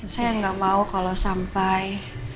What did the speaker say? saya nggak mau kalau sampai